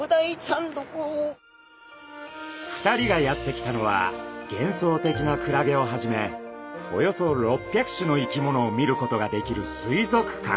２人がやってきたのは幻想的なクラゲをはじめおよそ６００種の生き物を見ることができる水族館。